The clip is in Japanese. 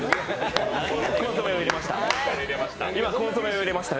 コンソメを入れました。